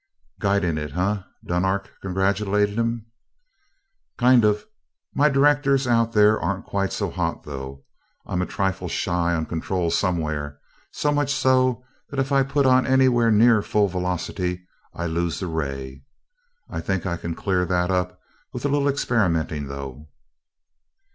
"Guiding it, eh?" Dunark congratulated him. "Kinda. My directors out there aren't quite so hot, though. I'm a trifle shy on control somewhere, so much so that if I put on anywhere near full velocity, I lose the ray. Think I can clear that up with a little experimenting, though."